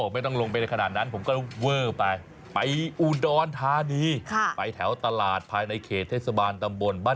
ไม่ต้องทำเอาดสิเอากัยขึ้นมา